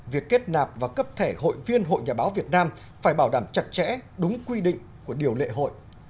việc kết nạp và cấp thể hội viên hội nhà báo việt nam phải bảo đảm chặt chẽ đúng quy định của điều lệ hội